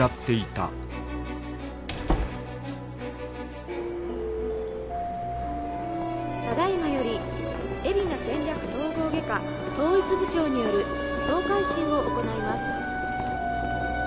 「ただ今より海老名戦略統合外科統一部長による総回診を行います」